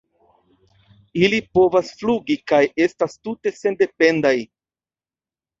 Ili povas flugi kaj estas tute sendependaj.